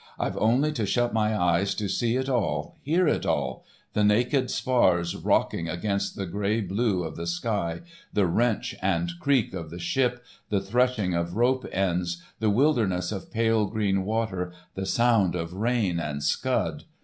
I've only to shut my eyes to see it all, hear it all—the naked spars rocking against the grey blue of the sky, the wrench and creak of the ship, the threshing of rope ends, the wilderness of pale green water, the sound of rain and scud....